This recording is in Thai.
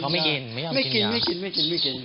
แต่เขาไม่กินไม่ยอมกินยาไม่กิน